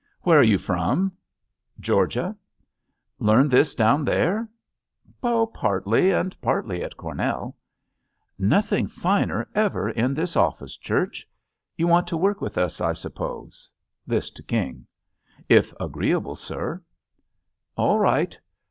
"Where are you from?" "Georgia." "Learn this down there?" "Partly, and partly at Cornell." ^ JUST SWEETHEARTS "Nothing finer ever in this office, Church. You want to work with us, I suppose?" This to King. If agreeable, sir." "All right.